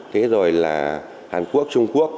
thế rồi là hàn quốc trung quốc